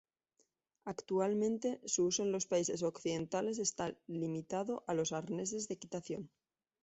Actualmente su uso en los países occidentales está limitado a los arneses de equitación.